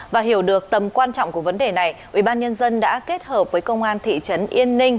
và hiểu được tầm quan trọng của vấn đề này ubnd đã kết hợp với công an thị trấn yên ninh